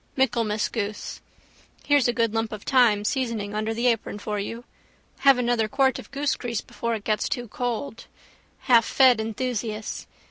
Michaelmas goose. Here's a good lump of thyme seasoning under the apron for you. Have another quart of goosegrease before it gets too cold. Halffed enthusiasts.